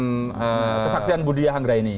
kesaksian budiahanggra ini